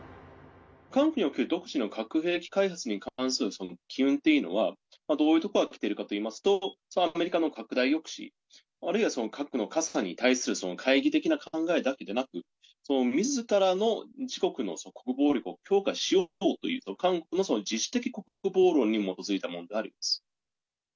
韓国における独自の核兵器開発に関する機運っていうのがどういうところからきているかといいますと、アメリカの拡大抑止、あるいは核の傘に対する懐疑的な考え方だけじゃなくて、みずからの自国の国防力を強化しようという、韓国の自主的国防論に基づくものであります。